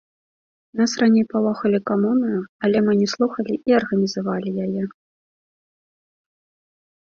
Нас раней палохалі камунаю, але мы не слухалі і арганізавалі яе.